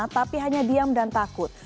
tapi hanya diam dan takut